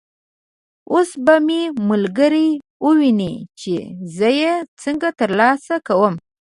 اوس به مې ملګري وویني چې زه یې څنګه تر لاسه کوم.